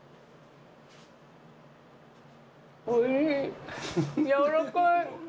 おいしい軟らかい。